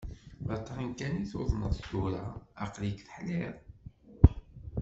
D aṭṭan kan i tuḍneḍ, tura aql-ik teḥliḍ.